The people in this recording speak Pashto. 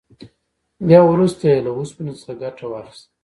بیا وروسته یې له اوسپنې څخه ګټه واخیسته.